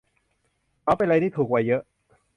เหมาไปเลยนี่ถูกกว่าเยอะ